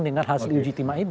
dengan hasil uji timah itu